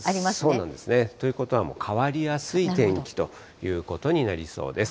そうなんですね。ということはもう変わりやすい天気ということになりそうです。